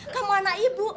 kamu anak ibu